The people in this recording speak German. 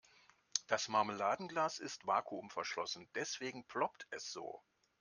Das Marmeladenglas ist vakuumverschlossen, deswegen ploppt es so.